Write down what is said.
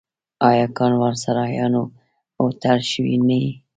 آیا کاروانسرایونه هوټل شوي نه دي؟